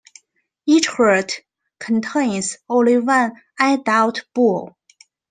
Each herd contains only one adult bull.